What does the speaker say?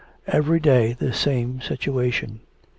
Every day the same situation.